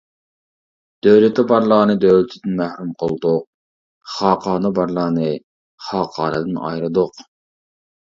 دۆلىتى بارلارنى دۆلىتىدىن مەھرۇم قىلدۇق، خاقانى بارلارنى خاقانىدىن ئايرىدۇق.